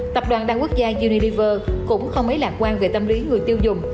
tập đoàn đa quốc gia univer cũng không mấy lạc quan về tâm lý người tiêu dùng